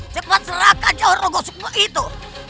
cepat serahkan cawar rogo subo itu